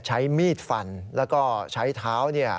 ใช้มีดฟันแล้วก็ใช้เท้าเนี่ย